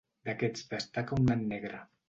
D'aquests destaca un nan negre.